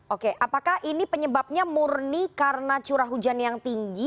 oke apakah ini penyebabnya murni karena curah hujan yang tinggi